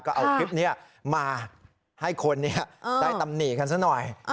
ก็เอาคลิปนี้มาให้คนได้ตำหนิกันซะหน่อย